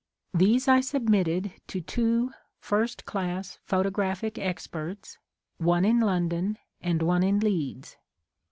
These I submitted to two first class photographic experts, one in London and one in Leeds.